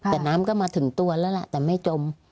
แต่น้ำก็มาถึงตัวแล้วล่ะแต่ไม่จม